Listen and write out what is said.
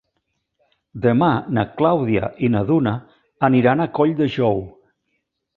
Demà na Clàudia i na Duna aniran a Colldejou.